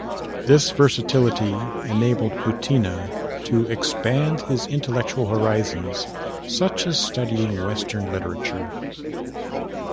This versatility enabled PuTiNa to expand his intellectual horizons, such as studying western literature.